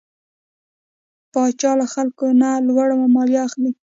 پاچا له خلکو نه لوړه ماليه اخلي .